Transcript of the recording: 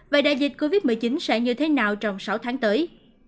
vậy đại dịch covid một mươi chín sẽ như thế nào trong sáu tháng tới